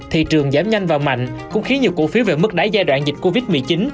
thị trường giảm nhanh và mạnh cũng khiến nhiều cổ phiếu về mức đáy giai đoạn dịch covid một mươi chín